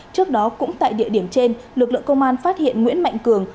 trước đó cũng tại địa điểm trên lực lượng công an phát hiện nguyễn mạnh cường